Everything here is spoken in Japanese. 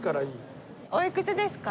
おいくつですか？